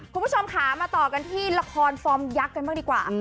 คุณผู้ชมค่ะมาต่อกันที่ละครฟอร์มยักษ์กันบ้างดีกว่า